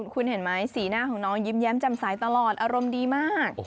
คุณเห็นไหมสีหน้าของน้องยิ้มแย้มจำใสตลอดอารมณ์ดีมาก